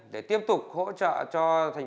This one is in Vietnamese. để tiếp tục hỗ trợ cho tp hcm